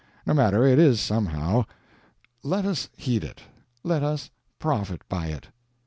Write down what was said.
No matter, it is somehow. Let us heed it; let us profit by it.